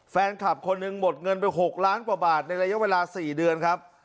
แฟนคลับคนหนึ่งหมดเงินไป๖ล้านกว่าบาทในระยะเวลา๔เดือนครับ